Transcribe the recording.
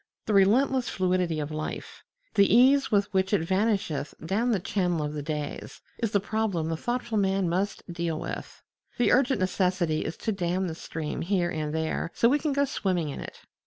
The relentless fluidity of life, the ease with which it vanisheth down the channel of the days, is the problem the thoughtful man must deal with. The urgent necessity is to dam the stream here and there so we can go swimming in it.